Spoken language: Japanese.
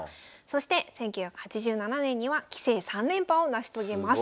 そして１９８７年には棋聖３連覇を成し遂げます。